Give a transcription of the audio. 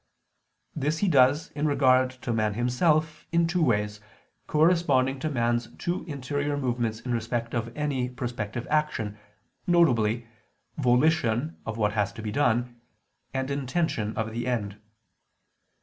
This he does in regard to man himself, in two ways, corresponding to man's two interior movements in respect of any prospective action, viz. volition of what has to be done, and intention of the end.